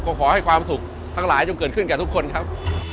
ก็ขอให้ความสุขทั้งหลายจงเกิดขึ้นกับทุกคนครับ